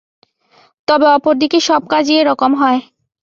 তবে অপরদিকে, সব কাজই এরকম হয়।